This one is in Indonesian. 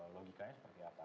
logikanya seperti apa